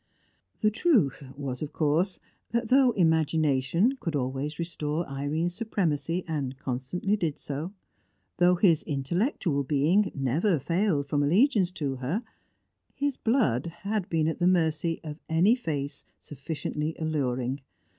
The truth was, of course, that though imagination could always restore Irene's supremacy, and constantly did so, though his intellectual being never failed from allegiance to her, his blood had been at the mercy of any face sufficiently alluring.